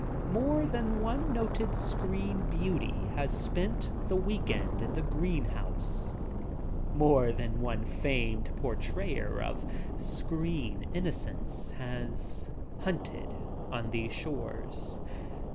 More than one noted screen beauty has spent the week end in the green house. More than one famed portrayer of sweet innocence has "hunted" on these shores.